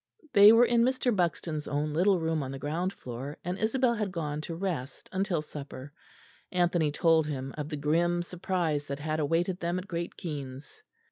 They were in Mr. Buxton's own little room on the ground floor, and Isabel had gone to rest until supper. Anthony told him of the grim surprise that had awaited them at Great Keynes.